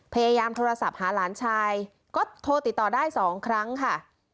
พยายามโทรศัพท์หาหลานชายก็โทรติดต่อได้๒ครั้งค่ะ